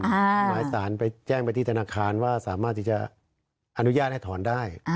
หมายสารไปแจ้งไปที่ธนาคารว่าสามารถที่จะอนุญาตให้ถอนได้